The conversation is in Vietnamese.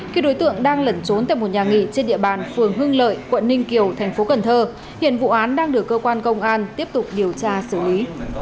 khi đối tượng đang lẩn trốn tại một nhà nghỉ trên địa bàn phường hưng lợi quận ninh kiều thành phố cần thơ hiện vụ án đang được cơ quan công an tiếp tục điều tra xử lý